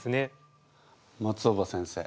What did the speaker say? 松尾葉先生